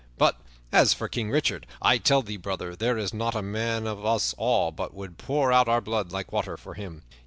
But, as for King Richard, I tell thee, brother, there is not a man of us all but would pour out our blood like water for him.